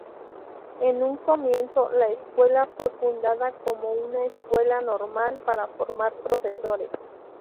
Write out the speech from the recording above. En un comienzo la escuela fue fundada como una escuela normal para formar profesores.